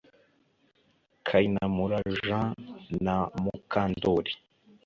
Kayinamura Jean Na Mukandoli